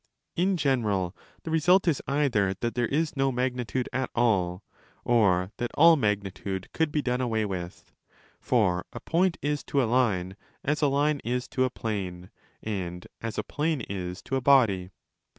In general, the result is either that there is no magnitude at all, or that all magnitude could be done away with. For το a point is to a line as a line is to a plane and as a plane is to a body.